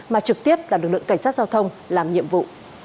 mà trực tiếp là lực lượng cảnh sát giao thông làm nhiệm vụ